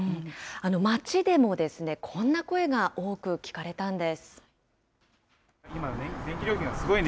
街でもこんな声が多く聞かれたんです。